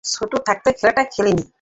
ছোট থাকতে খেলাটা খেলোনি?